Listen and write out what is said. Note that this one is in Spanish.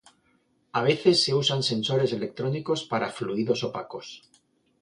A veces se usan sensores electrónicos para fluidos opacos.